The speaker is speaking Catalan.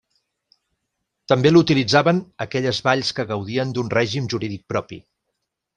També l'utilitzaven aquelles valls que gaudien d'un règim jurídic propi.